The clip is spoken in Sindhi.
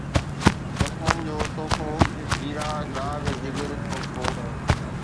زخمن جو تحفو ، هيرا ، داغ ، جگر ، تحفو